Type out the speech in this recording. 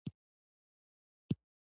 دغه لیکونه د جنودالربانیه ډېر اسرار لرل.